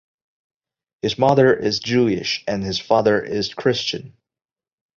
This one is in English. His mother is Jewish and his father is Christian.